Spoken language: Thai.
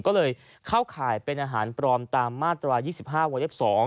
ก็เลยเข้าข่ายเป็นอาหารปลอมตามมาตรวจสิบห้าวงเลศสอง